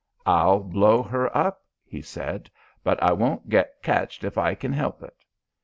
"I'll blow her up," he said, "but I won't git ketched if I kin help it."